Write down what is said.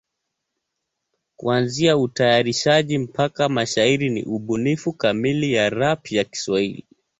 Kuanzia utayarishaji mpaka mashairi ni ubunifu kamili ya rap ya Kiswahili.